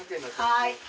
はい。